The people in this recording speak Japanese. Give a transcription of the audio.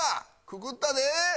くくったで。